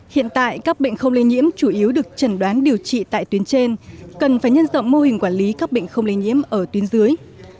hiện tại các bệnh không lây nhiễm chủ yếu được trần đoán điều trị tại tuyến trên cần phải nhân rộng mô hình quản lý các bệnh không lây nhiễm ở tuyến dưới